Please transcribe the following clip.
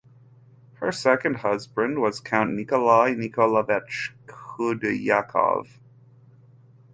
Her second husband was Count Nikolai Nikolaievich Khudyakov.